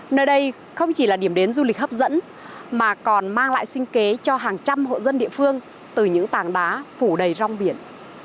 nơi đây không chỉ là điểm đến du lịch hấp dẫn mà còn mang lại sinh kế cho hàng trăm hộ dân địa phương từ những tàng đá phủ đầy rong biển